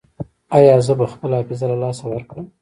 ایا زه به خپله حافظه له لاسه ورکړم؟